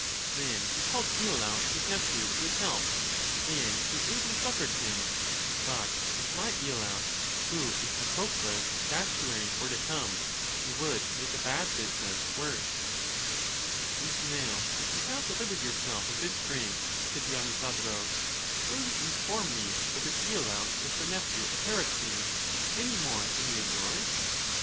Then he called lolaus, his nephew, to his help, and he ably succored him; but if my lolaus, who is Patrocles the statuary, were to come, he would make a bad business worse. And now that you have delivered yourself of this strain, said Dionysodorus, will you inform me whether lolaus was the nephew of Heracles any more than he is yours ?